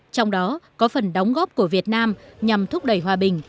trong đó có phần đóng góp của việt nam nhằm thúc đẩy hòa bình